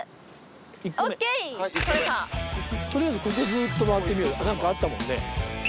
とりあえずここずっと回ってみよう何かあったもんね。